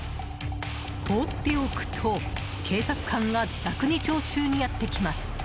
放っておくと、警察官が自宅に徴収にやってきます。